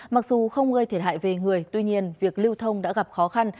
mặc dù không gây thiệt hại về người tuy nhiên việc lưu thông đã gặp khó khăn